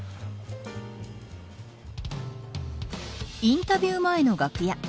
インタビュー前の楽屋。